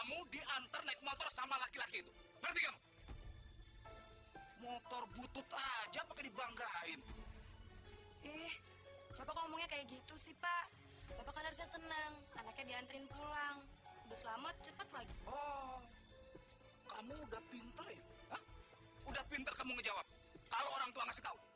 udah pinter ya udah pinter kamu ngejawab kalau orang tua ngasih tau